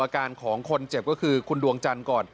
อาการของคนเจ็บก็คือคุณดวงจันทร์ก่อน